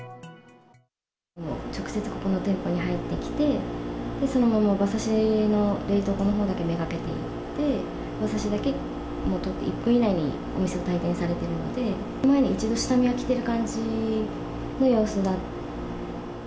直接ここの店舗に入ってきて、そのまま馬刺しの冷凍庫のほうだけ目がけていって、馬刺しだけとって、１分以内にお店を退店されているので、前に１度、下見に来ている感じの様子だった。